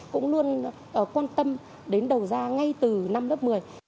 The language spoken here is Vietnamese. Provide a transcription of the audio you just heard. cũng luôn quan tâm đến đầu ra ngay từ năm lớp một mươi